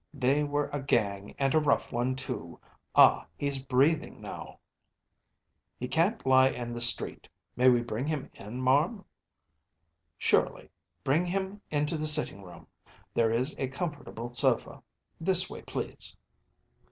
They were a gang, and a rough one, too. Ah, he’s breathing now.‚ÄĚ “He can’t lie in the street. May we bring him in, marm?‚ÄĚ “Surely. Bring him into the sitting room. There is a comfortable sofa. This way, please!